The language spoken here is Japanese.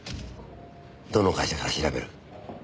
どの会社から調べる？